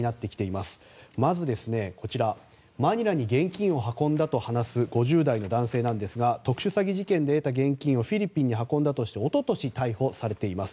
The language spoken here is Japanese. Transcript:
まず、こちらマニラに現金を運んだと話す５０代の男性なんですが特殊詐欺事件で得た現金をフィリピンに運んだとしておととし逮捕されています。